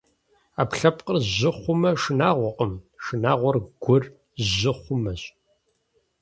Ӏэпкълъэпкъыр жьы хъумэ шынагъуэкъым, шынагъуэр гур жьы хъумэщ.